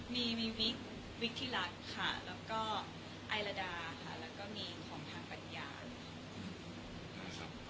มีวิกวิกที่รัฐค่ะแล้วก็ไอลาดาค่ะแล้วก็มีของทางปัญญา